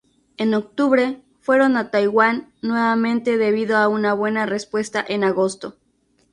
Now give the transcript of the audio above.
En octubre, fueron a Taiwán nuevamente debido a una buena respuesta en agosto.